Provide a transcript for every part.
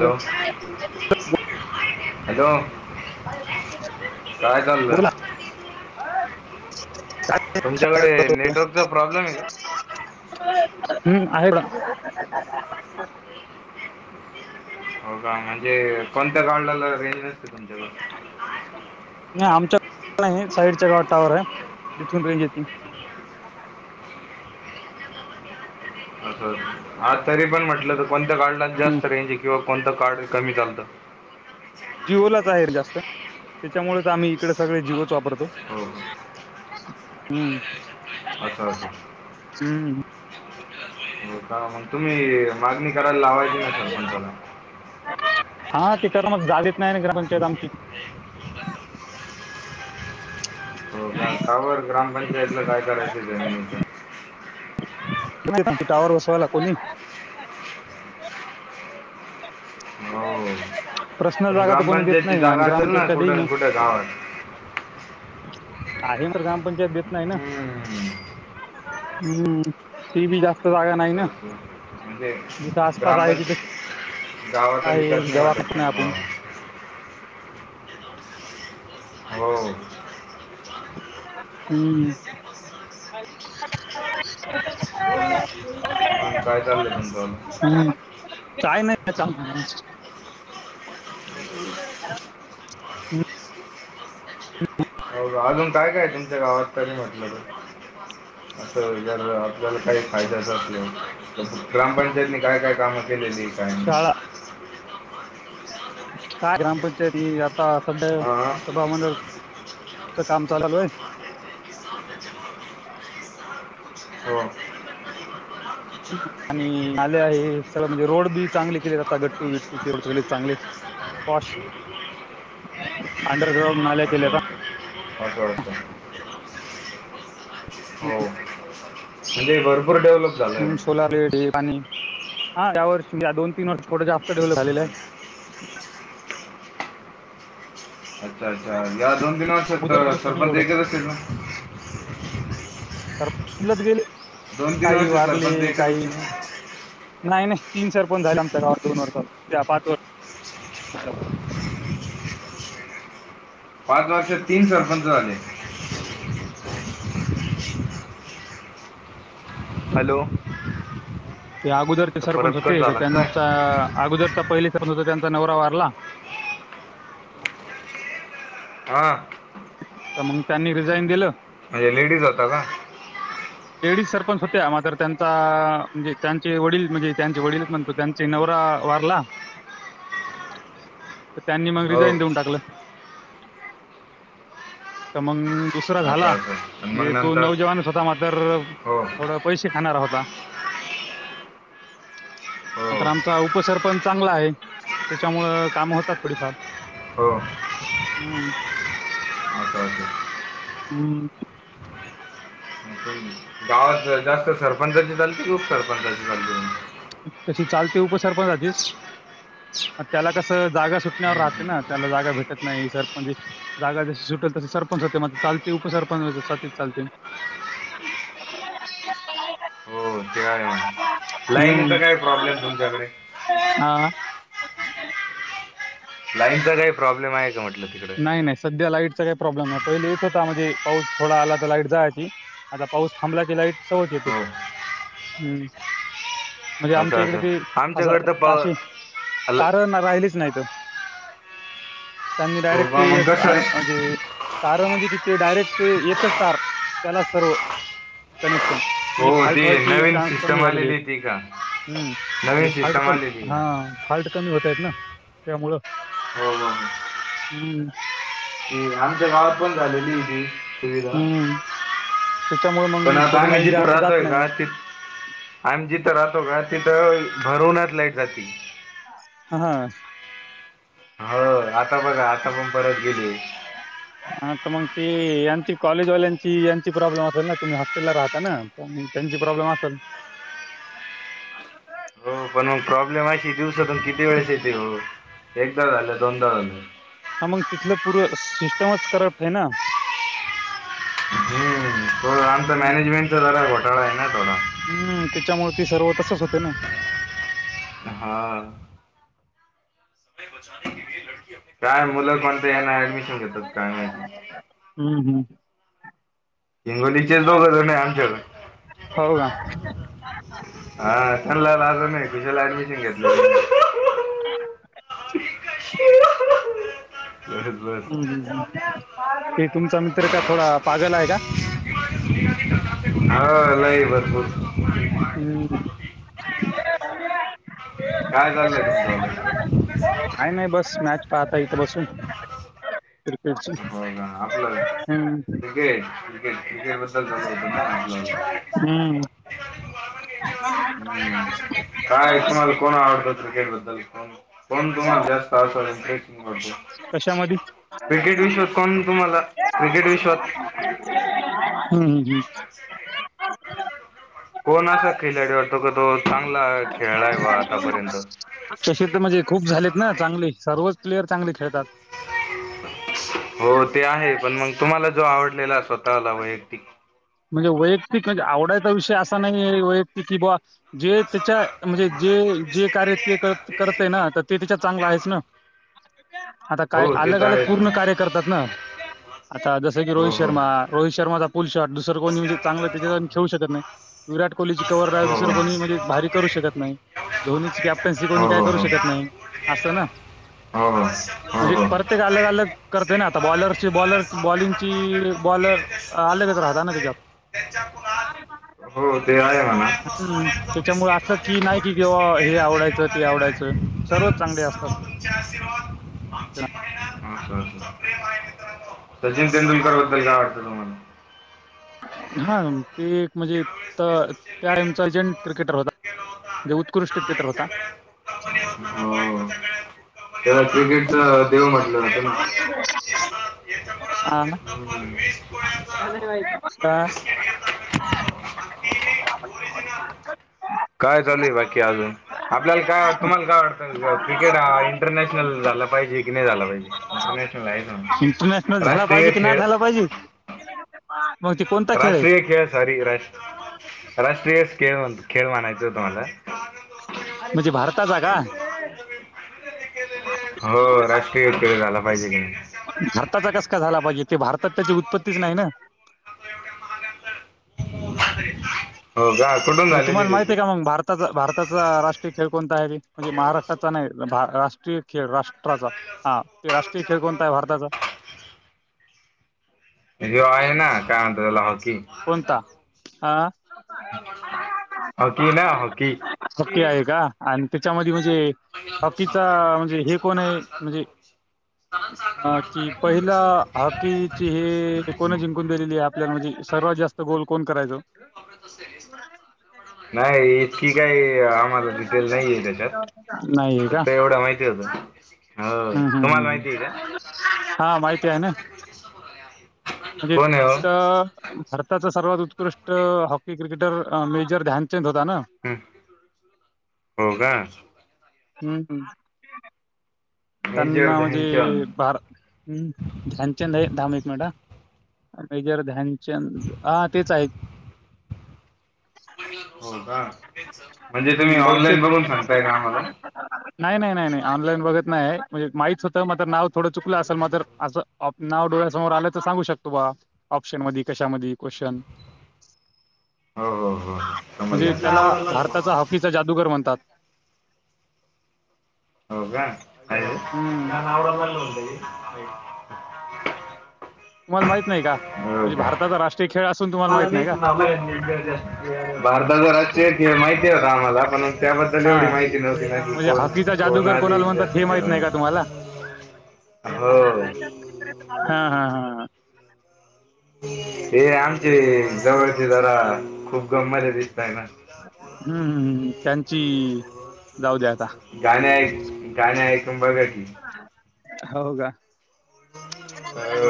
Hello hello काय चाललंय बोला [inaudible] नेटवर्कचा प्रॉब्लेम आहे का हम्म आहे ब हो का म्हणजे कोणत्या काला रेंज नसते तुमच्याक नाही आमच्या साईडच्या गा टावर आहे तिथून रेंज येे अ असं आज तरी पण म्हटलं तर कोणत्या काढ हम्म जास्त रेज किंवा कोणतं कार्ड कमी चालतं जिओलाच आहे जास्त त्याच्यामुळेच आम्ही इकडे सगळे जिओच वापरतो हो हो. हम्म अच्छा अच् हम्म हो का मग तुम्ही मागणी करायला लावायची ना सरपंचाला हा ते कर मग जालीेत नाही घर पंचायत आमची हो का कावर ग्रामपंचायतला काय करायचं जमिनीच ि टावर बसवायला कोणी हो प्रश्न पण जागा तर कोणी देत ग्रामपंचायतची नाही आणि जागा असेल ग्रामपंचायत ना काय कुठे देईन ना कुठे गावात आहे म ग्रामपंच ेत नाहीम् हम्म. ती जात असं म्हणजे जिथं आसपास आहे ब्राह्मण तिथं गावाचा विकास आहे नाही वाटत दवाखाना प आपण हो हम्म म्हणून काय चाललंय तुमचं [inaudible] हम् काय म हो का अजून काय काय तुमच्या गावात कध म्हटलं तर असं वि आपल्याला काही फायद्याच असल्या ग्रामपंचायतनी काय काय कामं केलेली काय नाही शाळा ह का ग्रामपंचायती आता स्या सभामंड काम चाललू आहे होम आणि नाले आहे सगळ म्हणजे रोड बी चांगले केलेत आता गट्टू बिट्टूचे रोड सगळे चांगले पॉश ह अंडरग्राउंड नाल्या केलेता अच्छा अच्छा हो म्हणजे भरपूर डेव्हलप झालंय सोलार पाणी हा त्या वर्ष या दोन तीन वर्ष थोडं जास्त डेवलप झालेलं आहे अच्छा अच्छा या दोन तीन वर्षत अगोदर नव्हतं ना सरपंच एवढं एकच असतील ना तर बलच गेले दोन तीन काही वर्षात वारले सरपंच एकच काही असेल ना नाही नाही तीन सरपण झाले आमच्या गावावर दोन वर्ष त्या पाच व पाच वर्ष तीन सरपंच झाले हॅलो ते अगोदरचे तर सरपंच परत कट होते झाला काय त्यांचा अगोदरचा पहिले सरपंच होता त्यांचा नवरा व अगला हा तर मग त्यांनी रिझाईन दिलं म्हणजे लेडीज होता का सरपंच होत म त्यां म्हण त्यांचे वडील म्हणजे त्यांचे वडीलच म्हणतो त्यां न त्यांनी मग रिझाईन हो देऊन टाकलं तर मग दुसरा झाला असं असं आणि मग म्हणजे तू नंतर नवजवानच होता म तर हो थोड पैसे खाणार होता अ आ हो तर आमचा उपसरपंच चांगला आहे त्याच्यामुळं काम होतात थोडीफार हो हम्म, असं हम्म गावात जास्त सरपंचाची चालते की उपसरपंचाची चालते तशी चालते उपसरपंच आधीच त्याला कसं जाा सुटण्यावर हम्म, राहते हम्म. ना त्याला जागा भेट नाही सरपंच जागा जशी सुटेल तसे सरपंच होते म चालते उपसरपंच चालते ह काय लाईनीचा हम्म. काय प्रॉब्लेम तुमच्याकडे ह लाईनचा काही प्रॉब्लेम आहे का म्हट नाही नाही सध्या लाईटचा काही प्रॉब्लेम नाही पहिलेच होता म्हणजे पाऊस थोडा आला तर लाईट जायची आता पाऊस थांबला की लाईट सवच येते हो हम् म्हणजे असं आमच्या इकडे असं ती आमच्याकडं तर प असंशी अल- तार राहिलीच नाही तर हो डायरेक् का मग कसं आहे म्हणजेार म्हणजे कायरे ते एकच तार त्याला सर्व कनेक्शन म्हणजे हो ती फाल्ट व्हायची नवीन चान्स कमी सिस्टम झालेले आहेत आलेली ती का हम्म म्हणजे नवीन फाल्ट सिस्टम कमी आलेली का हा फाल्ट कमी होतय ना त्यामुळं हम् हम ह हम् ह आमच्या गावात पण झालेलीी सुविधा हम्म त्याच्यामुळे पण मग आता थोडी आम्ही लाईट जिथं जास्त जात राहतोय नाही गा त आम्ही जिथं राहतो गात तिथं भरूनच लाईट जाते हा ह हो आता बघा आता पण परत गेली ह तुमंग ते यांची कॉलेजवाल्यांची यांची प्रॉब्लेम असेल ना तुम्ही हॉस्टेलला राहता ना त्यांची प्रॉब्लेम असाल [inaudible] हो पण मग प्रॉब्लेम अशी दिवसातून किती वेळेस येते हो एकदा झालं दोनदा झालं [inaudible] हा मग तिथलं पूरं सिस्टमच करप्ट हे ना हम्मो आमचा मॅनेजमेंटचा जरा घोटाळा आहे ना [inaudible] हम्म त्याच्यामुळे ती सर्व तसच होते ना हं काय मुलं पण तेना ऍडमिशन घेतात काय माहिती [inaudible] हम्म हम्म हिंगोलीचे दोघजण आहे आमच्याक हो का हा नाही कुला ऍडमिशन घेतलं [inaudible] बस बस [inaudible] तुमचा मित्र का थोडा पागल आहे का [inaudible] काय चाललंय [inaudible] का नाही बस मॅच पाहता इथ बसून क्रिकेटची हो का आपलं हम्म क्रिकेट क्रिकेट क्रिकेट बद्दल चालू होत ना आपल्या हम्म [inaudible] हम्म काय तुम्हाला कोण आवडत क्रिकेट बद्दल कोण पण तुम्हाला जास्त [inaudible] कशा मध्ये? क्रिकेट विश्वात कोण तुम्हाला क्रिकेट विश्वात हम्म हम्म हम्म. ऑफिशियल वेबसाइट आहे [inaudible] कोण असा खेलाडू वाटतो का तो चांगला खेळलाय बा आतापर्यंत? चष तर म्हणजे खूप झालेत ना चांगले सर्व प्लेयर चांगले खेळतात हो ते आहे पण मग तुम्हाला जो आवडलेला स्वतःला वैयक्तिक म्हणजे म्हणजे आवडायचा विषय असा नाही वै कि बा [unintelligible] जे त्याच्या म्हणजे जे जे कार्य ते करत आहे ना तर ते त्याच्यात चांगलं आहेच ना आता काय हो ते अलग तर अलग आहेच पूर्ण ना कार्य करतात ना आता जस की रोहित हो श हो. शर्मा रोहित शर्मा चा पुुल शर्ट दुसर कोणी म्हणे चांगलं त्याच्या खेळू शकत नाही विराट कोहलीची कवर रा दुसरं कोणी म्हणजे भारी करू शकत नाही धोनीची कॅप त्यां कोणी हो, काय हो, करू हो. शकत नाही असं ना हो हो हो म्हणजे हो प्रत्येक अलग अलग करते ना आता बॉलरची बॉलर बॉलिंगची बॉलर अलगच राहता ना त्याच्यात. [unintelligible] हम्म त्याच्यामुळे असं कि नाही कि जेव्हा हे आवडायचं ते आवडायचं सर्व चांगले असतात [inaudible] सचिन तेंडुलकर बद्दल काय वाटतं तुम्हाला? हा ते एक म्हणजे त्या टाईमचा एजंट क्रिकेटर होता जे उत्कृष्ट क्रिकेटर होता. हो. त्याला क्रिकेटच देव म्हटलं होतं ना हा ना [inaudible] काय चालूय बाकी अजून आपल्याला काय वा तुम्हाला काय वाटतं क्रिकेट हा इंटरनॅशनल झाला पाहिजे की नाही झाला पाहिजे इंटरनॅशनल इंटरनॅशनल ला झाला राष्ट्रीय पाहिजे की नाही खेळ [unintelligible] मग ते कोणता आहे राष्ट्रीय खेळ सॉरी रा राष्ट्रीय खेळ खेळ म्हणायच होत मला म्हणजे भारताचा का? हो राष्ट्रीय खेळ झाला पाहिजे की नाही. भारताचा कस का झाला पाहिजे तेे भारतात त्याची उत्पत्तीच नाही ना हो. का कुठून म्हणजे तुम्हाला झालेली माहित आहे त्याची का मग भारताचा भारताचा राष्ट्रीय खेळ कोणता आहे म्हणजे महाराष्ट्राचा नाही राष्ट्रीय खेळ राष्ट्राचा हा ते राष्ट्रीय खेळ कोणता आहे भारताचा जे आहे ना काय म्हणतात त्याला हॉकी कोणता हा हॉकी ना हॉकी हॉकी आहे का आणि त्याच्यामध्ये म्हणे हॉकीचा म्हणजे हे कोण आहे म्हणजे? अ कि पहिला हॉकीची हे कोण जिंकून दिलेली आपल्या म्हणजे सर्वात जास्त गोल कोण करायचो? तुम्ही वापरत असेल नाही इतकी काही आम्हाला डिटेल नाही आहे त्याच्यात नाही आहे का फक्त एवढं माहिती हो तुम्हाला माहिती आहे का? हा माहिती आहे ना म्हणजे कोण आहे ओ? भारताचा सर्वात उत्कृष्ट हॉकी क्रिकेटर मेजर ध्यान हम्म हो का हम्म हम्म. [unintelligible] मेजर ध्यानचंद मेजर ध्यानचंद हा तेच आहेत हो का म्हणजे तुम्ही हं, बहुतेक ऑनलाईन बघून सांगताय का आम्हाला नाही नाही नाही नाही ऑनलाईन बघत नाही म्हणजे माहित होतं मात्र नाव थोडं चुकलं असेल मात्र असं नाव डोळ्यासमोर आलं तर सांगू शकतो बघा ऑप्शन मधी कशामध्ये क्वशनमधी हो हो हो हो म्हणजे त्याला समजलं. भारताचा हॉकीचा जादूगर म्हणतात हं. [unintelligible] तुम्हाला माहीत नाही का? म्हणजे भारताचा राष्ट्रीय खेळ असून तुम्हाला माहित नाही का? भारताचा राष्ट्रीय खेळ? माहिती होता आम्हाला पण त्याबद्दल एवढी हां. माहिती नव्हती ना की म्हणजे कोण हॉकीचा कोण जादूगार आधी कोणाला म्हणतात जास्त हे माहित खेळलाय नाही का [unintelligible] हो हा हा हा ह हे आम ते जवळचे जरा खूप गममले दिसतय ना हं, हं, हं. त्यांची जाऊ द्या आता. गाण्या गाणे ऐकून बघा की हो का अ,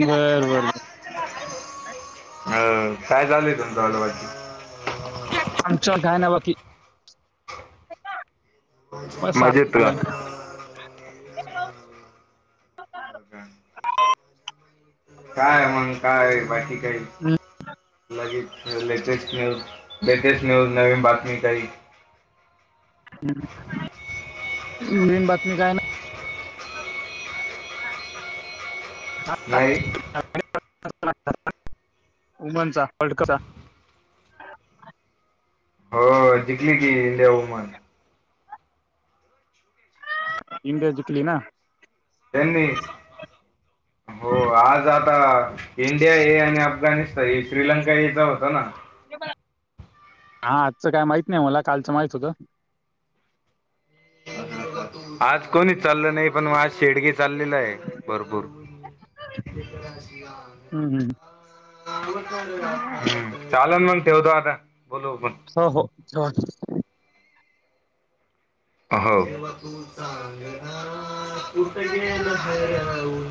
बर अ काय झालंय तुमचलबाची ह का मजेत का हो हो का काय मग काय बाकी काय हं. आहे लगेच लेटेस्ट न्यूज लेटेस्ट न्यूज नवीन बातमी काही मेन बातमी काय ना नाही [inaudible] उमनचा फडकचा [inaudible] हो जिंकली की इंडिया वुमन इंडिया जिकली ना त्यांडनी [inaudible] ह हो आज आता इंडिया ये आणि अफगाणिस्तान ये श्रीलंका येचा होता ना हा आजचं काय माहित नाही मला कालचं माहित होतं आज कोणी चाललं नाही पण म आज शेडगे चाललेलं आहे भरपूर ् हं, हं. चालन मग ठेवतो आता बोलू आपण हो हो अ